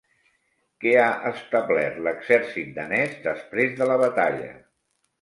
Què ha establert l'exèrcit danès després de la batalla?